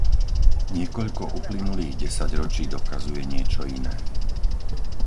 Niekoľko uplynulých desaťročí dokazuje niečo iné.